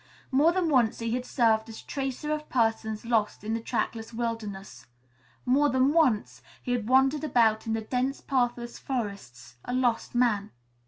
More than once he had served as tracer of persons lost in the trackless wildernesses. More than once he had wandered about in the dense, pathless forests, a lost man.